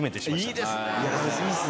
いいですね。